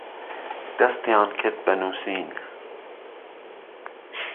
دەستیان كرد بە نوسین